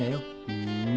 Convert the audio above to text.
ふん。